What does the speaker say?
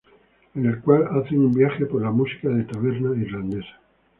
En el cual hacen un viaje por la música de taberna irlandesa.